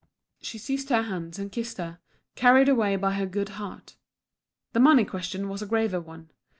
She seized her hands and kissed her, carried away by her good heart. The money question was a graver one.